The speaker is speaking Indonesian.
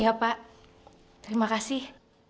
ya pak terima kasih